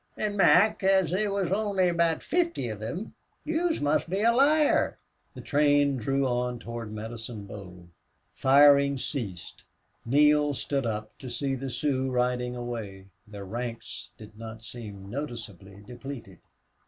An', Mac, as they wus only about fifthy of thim, yez must be a liar." The train drew on toward Medicine Bow. Firing ceased. Neale stood up to see the Sioux riding away. Their ranks did not seem noticeably depleted.